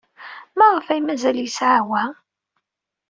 Maɣef ay mazal yesɛa wa?